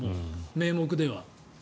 名目では。